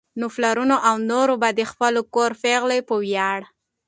نو پلرونو او نورو به د خپل کور پېغلې په وياړ